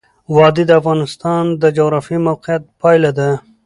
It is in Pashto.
وادي د افغانستان د جغرافیایي موقیعت پایله ده.